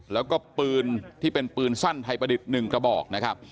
แล้วก็ปืนที่เป็นปืนสั้นไทยประดิษฐ์๑กระบอกนะครับ